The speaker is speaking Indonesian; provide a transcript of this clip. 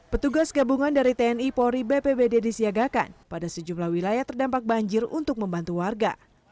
petugas gabungan dari tni polri bpbd disiagakan pada sejumlah wilayah terdampak banjir untuk membantu warga